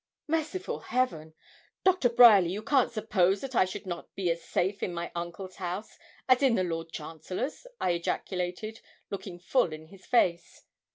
'Merciful Heaven! Doctor Bryerly, you can't suppose that I should not be as safe in my uncle's house as in the Lord Chancellor's?' I ejaculated, looking full in his face.